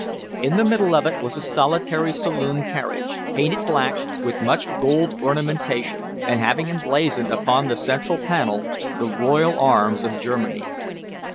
In the middle of it was a solitary saloon carriage, painted black, with much gold ornamentation, and having emblazoned upon the central panel the royal arms of Germany.